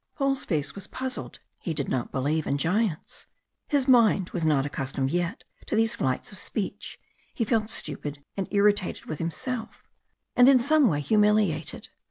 Paul's face was puzzled, he did not believe in giants. His mind was not accustomed yet to these flights of speech, he felt stupid and irritated with himself, and in some way humiliated.